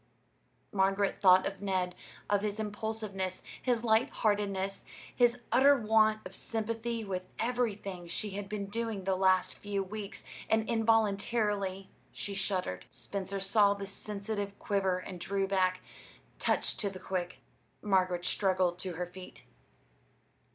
Margaret thought of Ned, of his impulsiveness, his light heartedness, his utter want of sympathy with everything she had been doing the last few weeks; and involuntarily she shuddered. Spencer saw the sensitive quiver and drew back, touched to the quick. Margaret struggled to her feet.